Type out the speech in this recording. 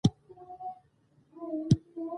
لوښي رنګونک دي خوند نۀ که